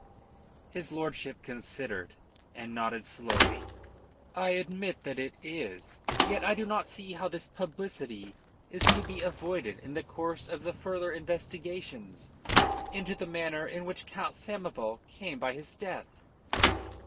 His lordship considered, and nodded slowly. "I admit that it is. Yet I do not see how this publicity is to be avoided in the course of the further investigations into the manner in which Count Samoval came by his death."